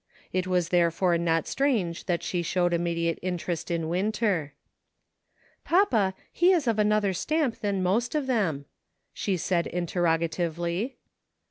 It was therefore not strange that she showed immediate interest in Winter. " Papa, he is of another stamp than most of them," she said interrogatively.